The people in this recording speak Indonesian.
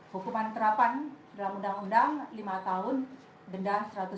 hukuman terapan dalam undang undang lima tahun denda seratus juta